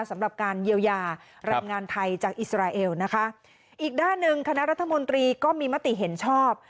สำหรับการเยียวยาแรงงานไทยจากอิสราเอลนะคะอีกด้านหนึ่งคณะรัฐมนตรีก็มีมติเห็นชอบ